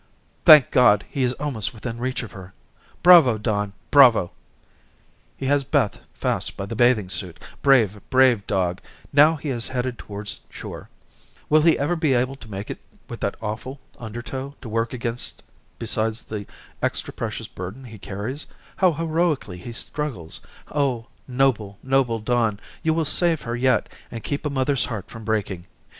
"Thank God, he is almost within reach of her. Bravo, Don, bravo. He has Beth fast by the bathing suit. Brave, brave dog. Now he has headed towards shore. Will he ever be able to make it with that awful undertow to work against besides the extra precious burden he carries? How heroically he struggles. Oh, noble, noble Don, you will save her yet, and keep a mother's heart from breaking.